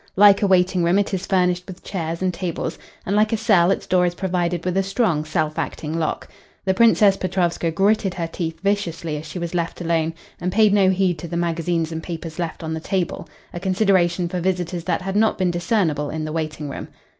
Like a waiting room it is furnished with chairs and tables, and like a cell its door is provided with a strong, self acting lock. The Princess Petrovska gritted her teeth viciously as she was left alone, and paid no heed to the magazines and papers left on the table a consideration for visitors that had not been discernible in the waiting room.